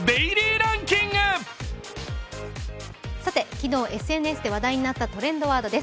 昨日ＳＮＳで話題になったトレンドワードです。